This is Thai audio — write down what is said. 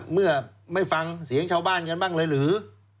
เมื่อไม่ฟังเสียงชาวบ้านกันบ้างเลยหรือ